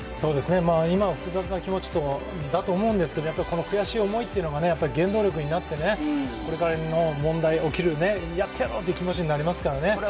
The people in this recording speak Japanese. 今は複雑な気持ちだと思うんですけど、悔しい思いが原動力になってこれから起きる問題にやってやろうって気持ちになりますからね。